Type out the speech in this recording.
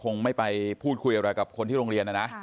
คงไม่ไปพูดคุยอะไรกับคนที่โรงเรียนนะนะ